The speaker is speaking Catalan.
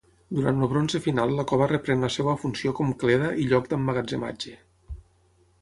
Durant el bronze final la cova reprèn la seva funció com cleda i lloc d'emmagatzematge.